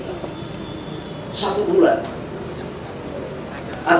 sebenarnya kita harus mengendalikan kekuatan kekuatan fisik dan materi